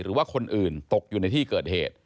หรือว่าคนอื่นตกอยู่ในที่เกิดเหตุ